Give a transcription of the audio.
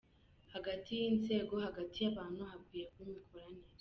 Hagati y’ inzego, hagati y’ abantu hakwiye kuba imikoranire.